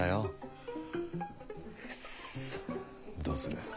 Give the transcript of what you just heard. どうする？